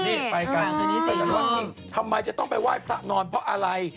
นี่ไปกันทีนี้แสดงว่าทำไมจะต้องไปไหว้พระนอนเพราะอะไร